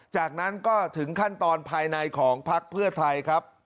จากนั้นก็ถึงขั้นตอนภายในของภักดาลพภิเวศไทย